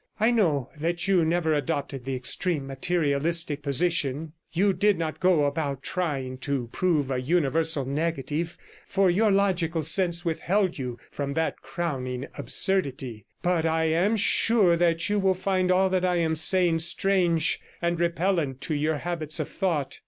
I know that you never adopted the extreme materialistic position; you did not go about trying to prove a universal negative, for your logical sense withheld you from that crowning absurdity; but I am sure that you will find all that I am saying strange and repellent to your habits of thought.